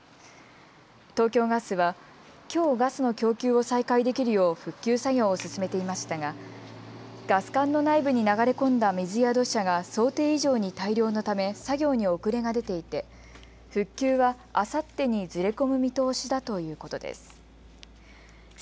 東京ガスはきょうガスの供給を再開できるよう復旧作業を進めていましたがガス管の内部に流れ込んだ水や土砂が想定以上に大量のため作業に遅れが出ていて復旧は、あさってにずれ込む見通しだということです。